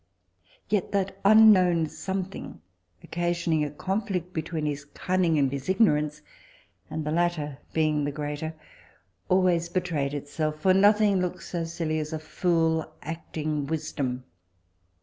Yet that unknown something occasioning a conflict between his cunning and his ignorance, and the latter being the greater, always betrayed itself, for nothing looks so silly as a fool acting wisdom.